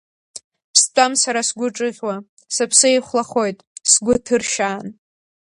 Стәам сара сгәы ҿыӷьуа, сыԥсы еихәлахоит, сгәы ҭыршьаан.